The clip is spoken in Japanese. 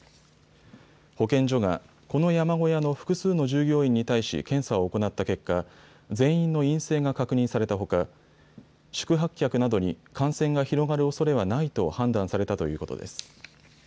保健所が、この山小屋の複数の従業員に対し検査を行った結果、全員の陰性が確認されたほか宿泊客などに感染が広がるおそれはないと判断されたということです。